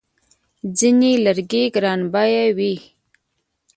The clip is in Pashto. ځینې لرګي ګرانبیه وي.